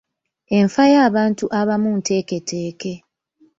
Enfa y'abantu abamu nteeketeeke.